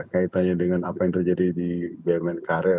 kaitannya dengan apa yang terjadi di bumn karya